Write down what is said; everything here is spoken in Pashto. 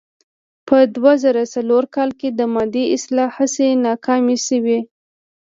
په دوه زره څلور کال کې د مادې اصلاح هڅې ناکامې شوې.